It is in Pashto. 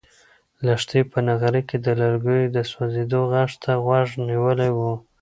لښتې په نغري کې د لرګیو د سوزېدو غږ ته غوږ نیولی و.